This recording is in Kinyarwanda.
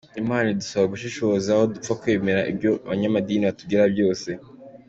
Imana idusaba “gushishoza” aho gupfa kwemera ibyo abanyamadini batubwira byose.